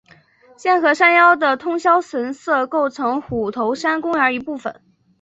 现和山腰的通霄神社构成虎头山公园一部分。